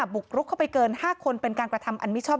บุกรุกเข้าไปเกิน๕คนเป็นการกระทำอันมิชอบ